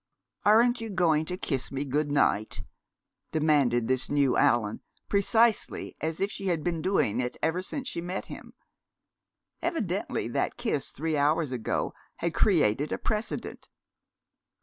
"Aren't you going to kiss me good night?" demanded this new Allan, precisely as if she had been doing it ever since she met him. Evidently that kiss three hours ago had created a precedent.